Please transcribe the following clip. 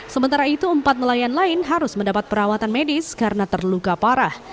sementara itu empat nelayan lain harus mendapat perawatan medis karena terluka parah